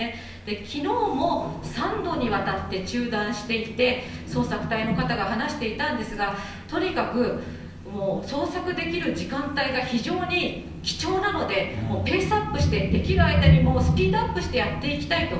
きのうも３度にわたって中断していて、捜索隊の方が話していたんですが、とにかくもう捜索できる時間帯が非常に貴重なので、ペースアップして、できる間にスピードアップしてやっていきたいと。